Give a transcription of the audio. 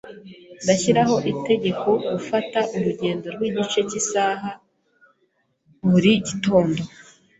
Ndashyiraho itegeko gufata urugendo rw'igice cy'isaha buri gitondo.